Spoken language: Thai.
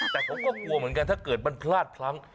แต่ผมก็กลัวเหมือนกันถ้าเกิดมันพลาดพลั้ง